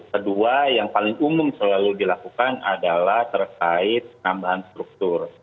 kedua yang paling umum selalu dilakukan adalah terkait penambahan struktur